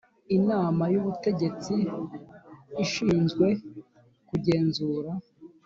Inama y ubutegetsi ishinzwe kugenzura